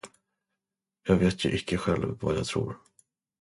Jag vet ju icke själv, vad jag tror.